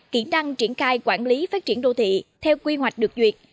kỹ năng triển khai quản lý phát triển đô thị theo quy hoạch được duyệt